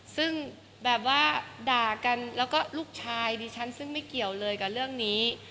ซึ่งแบบว่าด่ากันแล้วก็ลูกชายดิฉันซึ่งไม่เกี่ยวเลยกับเรื่องนี้